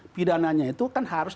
pidana itu kan harus